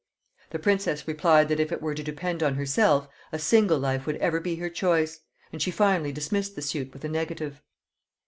The princess replied, that if it were to depend on herself, a single life would ever be her choice; and she finally dismissed the suit with a negative.